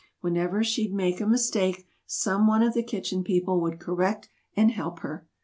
Whenever she'd make a mistake, some one of the Kitchen People would correct and help her.